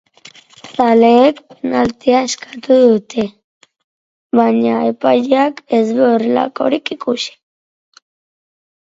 Zaleek penaltia eskatu dute, baina epaileak ez du horrelakorik ikusi.